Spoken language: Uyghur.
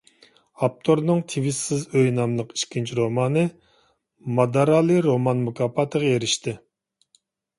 ئاپتورنىڭ «تىۋىشسىز ئۆي» ناملىق ئىككىنچى رومانى «مادارالى رومان مۇكاپاتى»غا ئېرىشتى.